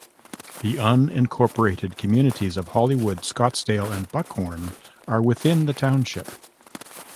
The unincorporated communities of Hollywood, Scottdale, and Buckhorn are within the township.